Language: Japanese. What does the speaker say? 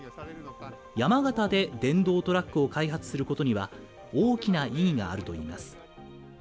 山形で電動トラックを開発することには、大きな意義があるといいます。